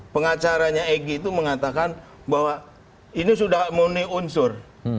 pengacaranya egy itu mengatakan bahwa ini sudah memenuhi unsur